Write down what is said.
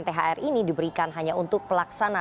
thr ini diberikan hanya untuk pelaksana